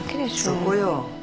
そこよ。